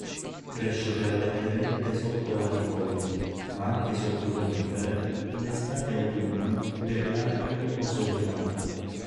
Cresce prevalentemente sotto latifoglie, ma anche sotto conifere, in estate-autunno, gregario o solitario.